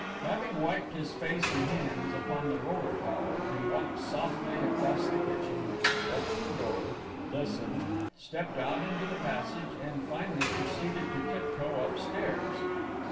Having wiped his face and hands upon the roller towel, he walked softly across the kitchen, opened the door, listened, stepped out into the passage and, finally, proceeded to tiptoe upstairs.